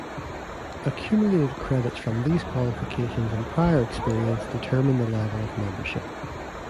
Accumulated credits from these qualifications and prior experience determine the level of membership.